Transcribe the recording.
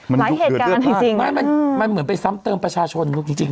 ืมมมันเหมือนเป็นซ้ำเติมประชาชนมุมจริงจริง